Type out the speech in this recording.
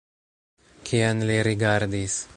Kien li rigardis?